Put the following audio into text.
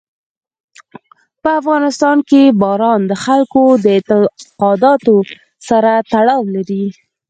په افغانستان کې باران د خلکو د اعتقاداتو سره تړاو لري.